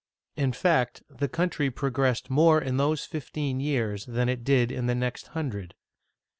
In fact, the country progressed more in those fifteen years than it did in the next hundred.